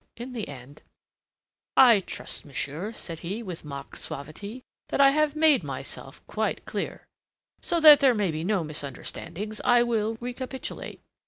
In the end "I trust, monsieur," said he, with mock suavity, "that I have made myself quite clear. So that there may be no misunderstandings, I will recapitulate.